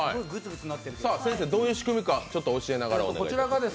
先生、どういう仕組みか教えながらお願いします。